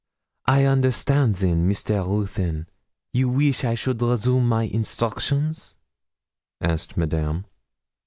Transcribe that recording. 'I understand then, Mr. Ruthyn, you weesh I should resume my instructions?' asked Madame.